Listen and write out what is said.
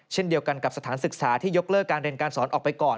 เช่นเดียวกันกับสถานศึกษาที่ยกเลิกการเรียนการสอนออกไปก่อน